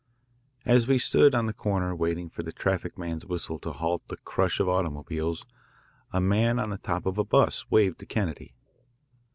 As we stood on the corner waiting for the traffic man's whistle to halt the crush of automobiles, a man on the top of a 'bus waved to Kennedy.